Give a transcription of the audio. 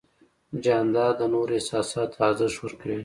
جانداد د نورو احساساتو ته ارزښت ورکوي.